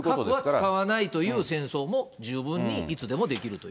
核は使わないという戦争も十分にいつでもできるという。